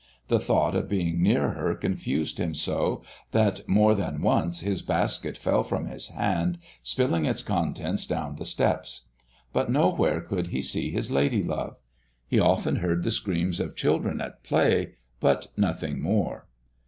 The thought of being near her confused him so that more than once his basket fell from his hand, spilling its contents down the steps. But nowhere could he see his lady love. He often heard the screams of children at play, but nothing more.